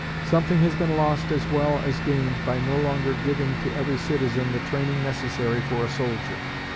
Something has been lost as well as gained by no longer giving to every citizen the training necessary for a soldier.